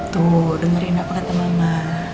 tuh dengerin apa kata mama